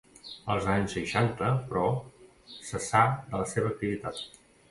Els anys seixanta, però, cessà de la seva activitat.